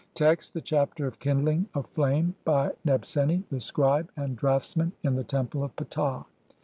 Text : (1) The Chapter of kindling a flame by Nebseni, THE SCRIBE AND DRAUGHTSMAN IN THE TEMPLE OF PTAH.